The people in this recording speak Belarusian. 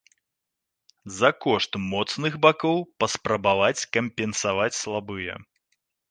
За кошт моцных бакоў паспрабаваць кампенсаваць слабыя.